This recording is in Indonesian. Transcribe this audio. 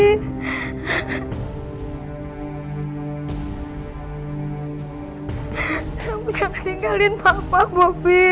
kamu jangan tinggalin mama bobby